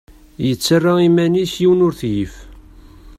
Yettarra iman-is yiwen ur t-yif.